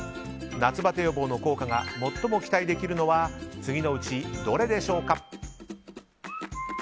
夏バテ予防の効果が最も期待できるのは次のうちどれでしょうか？